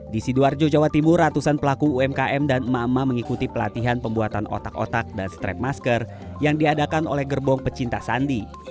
di sidoarjo jawa timur ratusan pelaku umkm dan emak emak mengikuti pelatihan pembuatan otak otak dan strap masker yang diadakan oleh gerbong pecinta sandi